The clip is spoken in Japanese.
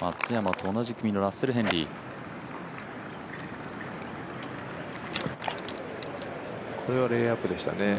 松山と同じ組のラッセル・ヘンリーこれはレイアップでしたね。